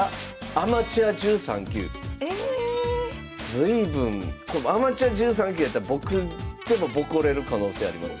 随分アマチュア１３級やったら僕でもボコれる可能性ありますよ。